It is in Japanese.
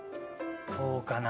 そうかな？